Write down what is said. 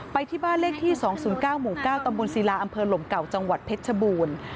ไปที่บ้านเลขที่๒๐๙หมู่๙ตำบลศิลาอำเภอหลมเก่าจังหวัดเพชรชบูรณ์